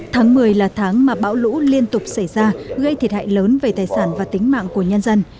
tháng một mươi là tháng mà bão lũ liên tục xảy ra gây thiệt hại lớn về tài sản và tính mạng của nhân dân